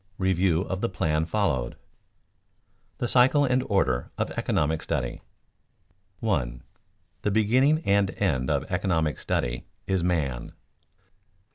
REVIEW OF THE PLAN FOLLOWED [Sidenote: The cycle and order of economic study] 1. _The beginning and end of economic study is man.